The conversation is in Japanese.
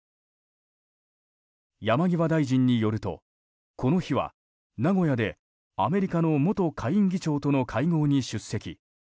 山際大臣によるとこの日は、名古屋でアメリカの元下院議長との会合に出席。